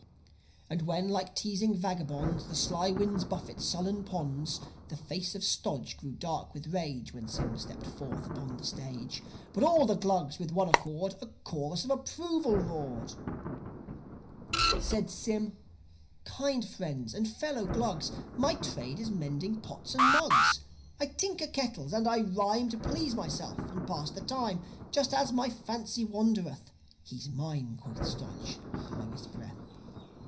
As when, like teasing vagabonds, The sly winds buffet sullen ponds, The face of Stodge grew dark with rage, When Sym stepped forth upon the stage. But all the Glugs, with one accord, A chorus of approval roared. Said Sym: "Kind friends, and fellow Glugs; My trade is mending pots and mugs. I tinker kettles, and I rhyme To please myself and pass the time, Just as my fancy wandereth." ("He's minel" quoth Stodge, below his breath.)